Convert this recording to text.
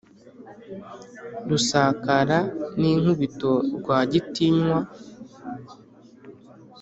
Rusakara ninkubito Rwa gitinywa